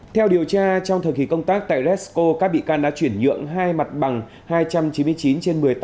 theo điều tra trong thời kỳ công tác tại resco các bị can đã chuyển nhượng hai mặt bằng hai trăm chín mươi chín trên một mươi tám